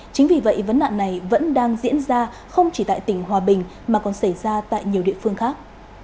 chính vì vậy vấn nạn này vẫn đang diễn ra không chỉ tại tỉnh hòa bình mà còn xảy ra tại nhiều địa phương khác